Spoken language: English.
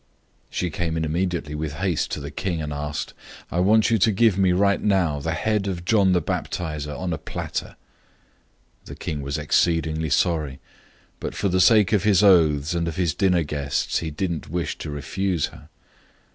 006:025 She came in immediately with haste to the king, and asked, "I want you to give me right now the head of John the Baptizer on a platter." 006:026 The king was exceedingly sorry, but for the sake of his oaths, and of his dinner guests, he didn't wish to refuse her.